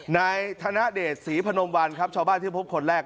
นายธนเดชศรีพนมวันครับชาวบ้านที่พบคนแรก